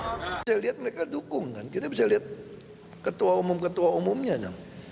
saya lihat mereka dukung kan kita bisa lihat ketua umum ketua umumnya